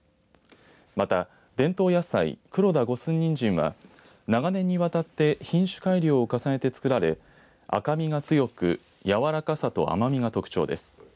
また伝統野菜、黒田五寸人参は長年にわたって品種改良を重ねて作られ赤みが強くやわらかさと甘みが特徴です。